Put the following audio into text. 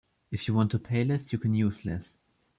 If you want to pay less, you can use less.